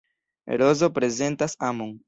Rozo prezentas amon.